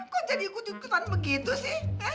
kok jadi ikut ikutan begitu sih